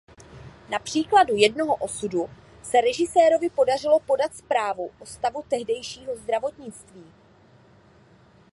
Na příkladu jednoho osudu se režisérovi podařilo podat zprávu o stavu tehdejšího zdravotnictví.